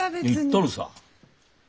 言っとるさ。